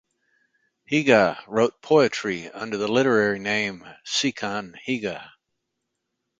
Higa wrote poetry under the literary name "Seikan Higa"